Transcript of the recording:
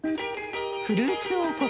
フルーツ王国